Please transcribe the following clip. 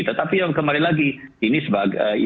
tetapi yang kembali lagi ini sebagai